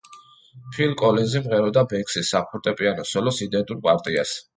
ფილ კოლინზი მღეროდა ბენქსის საფორტეპიანო სოლოს იდენტურ პარტიას.